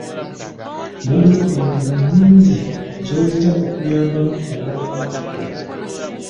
Waliwo engeri nnyingi z’oyinza okuyambamu omwana wo okukula.